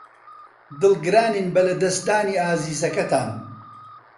دڵگرانین بە لەدەستدانی ئازیزەکەتان.